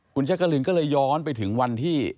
คุณแจ๊กกะลินก็เลยย้อนไปถึงวันที่